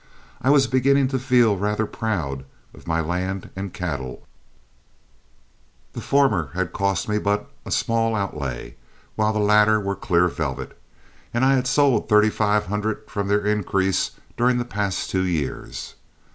I was beginning to feel rather proud of my land and cattle; the former had cost me but a small outlay, while the latter were clear velvet, as I had sold thirty five hundred from their increase during the past two years.